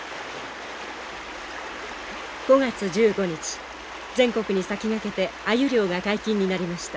５月１５日全国に先駆けてアユ漁が解禁になりました。